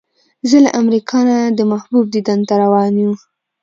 زه له امریکا نه د محبوب دیدن ته روان یو.